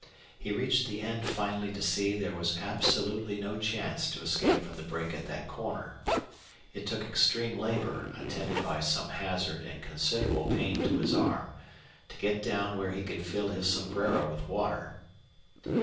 He reached the end finally to see there was absolutely no chance to escape from the brake at that corner. It took extreme labor, attended by some hazard and considerable pain to his arm, to get down where he could fill his sombrero with water.